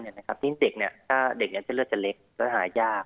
สิ่งที่เด็กถ้าเด็กเลือดจะเล็กก็จะหายาก